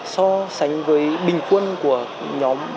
so sánh với bình quân của nhóm